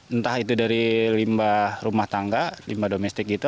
entah itu dari limbah rumah tangga limbah domestik gitu